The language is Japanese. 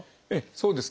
そうですね。